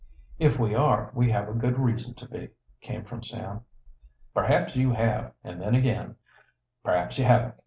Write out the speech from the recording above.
"If we are, we have a good reason to be," came from Sam. "Perhaps you have, and then again, perhaps you haven't.